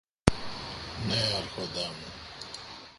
Ναι, Άρχοντα μου.